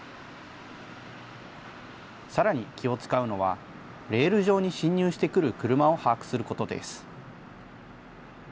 さらに、気を遣うのは、レール上に進入してくる車を把握することです。